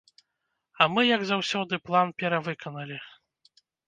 А мы, як заўсёды, план перавыканалі.